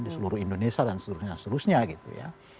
di seluruh indonesia dan seterusnya seterusnya gitu ya